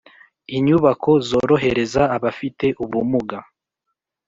Inyubako zorohereza abafite ubumuga